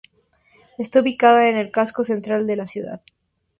Está ubicada en el casco central de la ciudad.